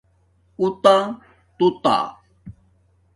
اُتاتُوتݳ